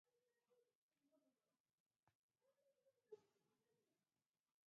پر دېوال رسم شوې رسامۍ بدې نه وې.